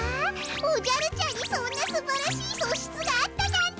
おじゃるちゃんにそんなすばらしいそしつがあったなんて。